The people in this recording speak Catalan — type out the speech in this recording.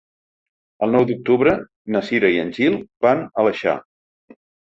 El nou d'octubre na Cira i en Gil van a l'Aleixar.